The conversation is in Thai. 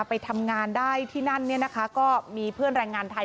ไปทำงานได้ที่นั่นก็มีเพื่อนแรงงานไทย